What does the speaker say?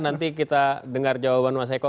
nanti kita dengar jawaban mas eko